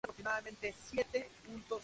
No están contempladas visitas al mismo.